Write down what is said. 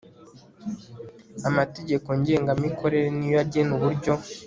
Amategeko ngengamikorere ni yo agena uburyo